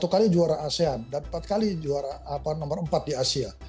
satu kali juara asean dan empat kali juara nomor empat di asia